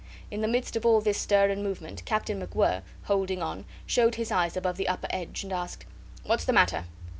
In the midst of all this stir and movement Captain MacWhirr, holding on, showed his eyes above the upper edge, and asked, "What's the matter?"